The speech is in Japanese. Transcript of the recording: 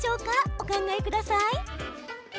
お考えください。